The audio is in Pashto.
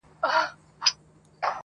شب ګیرو راته سرې کړي ستا له لاسه,